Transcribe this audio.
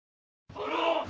殿！